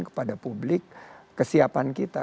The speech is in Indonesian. kepada publik kesiapan kita